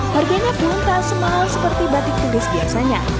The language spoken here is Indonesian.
harganya pun tak semahal seperti batik tulis biasanya